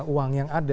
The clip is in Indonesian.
uang yang ada